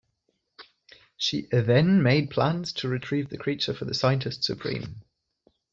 She then made plans to retrieve the creature for the Scientist Supreme.